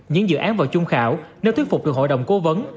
những dự án vào chung khảo nếu thuyết phục được hội đồng cố vấn